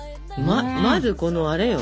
まずこのあれよ。